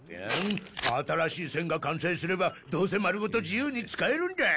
新しい栓が完成すればどうせ丸ごと自由に使えるんだ。